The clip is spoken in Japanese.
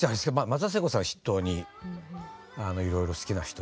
松田聖子さんを筆頭にいろいろ好きな人はいました。